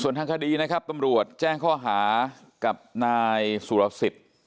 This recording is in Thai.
ทางคดีนะครับตำรวจแจ้งข้อหากับนายสุรสิทธิ์